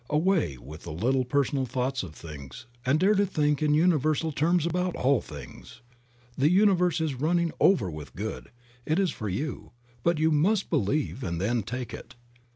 Away with the little personal thoughts of things, and dare to think in universal terms about all things. The universe is running over with good , it is for you, but you must believe and then take it.